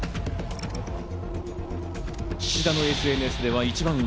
菱田のＳＮＳでは一番上。